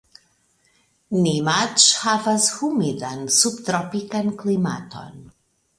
Nimaĉ havas humidan subtropikan klimaton.